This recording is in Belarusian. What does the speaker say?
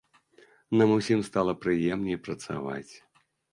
Нам усім стала прыемней працаваць.